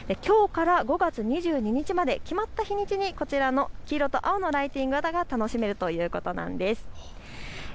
きょうから５月２２日まで決まった日にちにこちらの黄色と青のライティングが楽しめるということです。